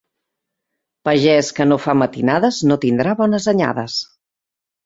Pagés que no fa matinades no tindrà bones anyades.